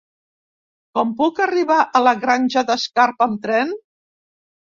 Com puc arribar a la Granja d'Escarp amb tren?